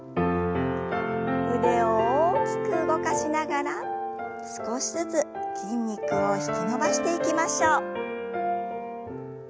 腕を大きく動かしながら少しずつ筋肉を引き伸ばしていきましょう。